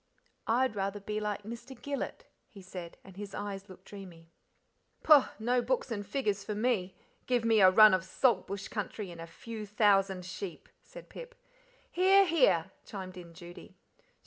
"I'd rather be like Mr. Gillet," he said, and his eyes looked dreamy. "Pooh! no books and figures far me; give me a run of Salt Bush country, and a few thousand sheep," said Pip. "Hear! hear!" chimed in Judy.